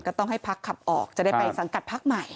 ต้องให้พักขับออกจะได้ไปสังกัดพักใหม่